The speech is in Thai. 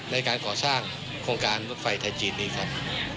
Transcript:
ในการก่อสร้างโครงการรถไฟไทยจีนนี้ครับ